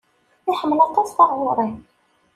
Iḥemmel aṭas taɣuri.